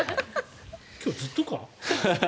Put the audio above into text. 今日ずっとか？